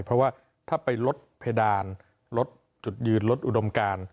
เพราะว่าถ้าไปลดเพดานลดจุดยืนลดอุดมการ